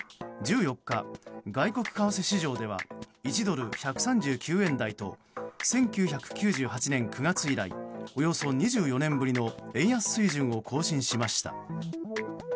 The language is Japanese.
１４日、外国為替市場では１ドル＝１３９円台と１９９８年９月以来およそ２４年ぶりの円安水準を更新しました。